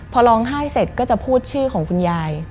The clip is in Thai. พอร้องไห้เสร็จก็จะพูดชื่อของคุณยาย